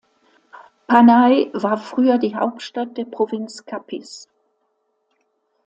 Panay war früher die Hauptstadt der Provinz Capiz.